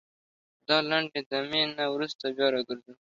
دا لنډې دمي نه وروسته بيا راګرځوو